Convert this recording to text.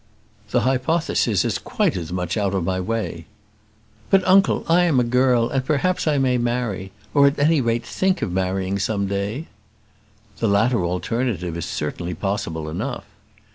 "The hypothesis is quite as much out of my way." "But, uncle, I am a girl, and perhaps I may marry; or at any rate think of marrying some day." "The latter alternative is certainly possible enough."